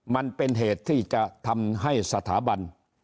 มันเป็นเหตุที่จะทำให้สถาบัน